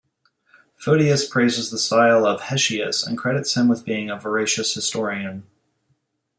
Photius praises the style of Hesychius, and credits him with being a veracious historian.